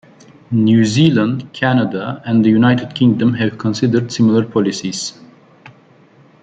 New Zealand, Canada, and the United Kingdom have considered similar policies.